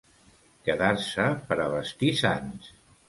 Quedar-se per a vestir sants.